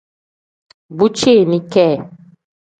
Bu ceeni kee.